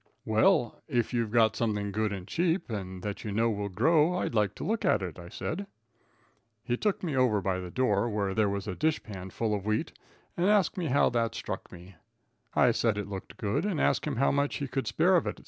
"Well, if you've got something good and cheap, and that you know will grow, I'd like to look at it," I said. He took me over by the door where there was a dishpan full of wheat, and asked me how that struck me, I said it looked good and asked him how much he could spare of it at